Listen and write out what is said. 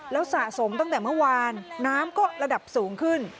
แล้วสะสมตั้งแต่เมื่อวานน้ำก็ระดับสูงขึ้น